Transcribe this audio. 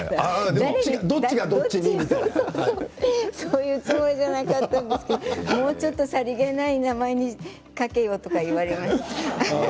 そういうつもりじゃなかったんですけど、もう少しさりげない名前に描けよって言われました。